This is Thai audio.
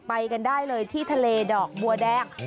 ไปกันได้เลยที่ทะเลดอกบัวแดง